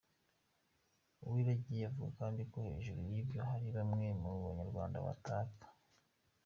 Uwiragiye avuga kandi ko hejuru y’ibyo hari bamwe mu Banyarwanda bataka.